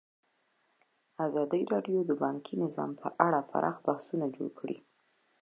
ازادي راډیو د بانکي نظام په اړه پراخ بحثونه جوړ کړي.